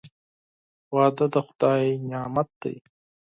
• واده د خدای نعمت دی.